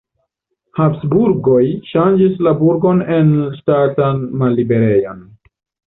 Habsburgoj ŝanĝis la burgon en ŝtatan malliberejon.